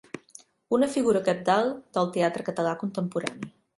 Una figura cabdal del teatre català contemporani.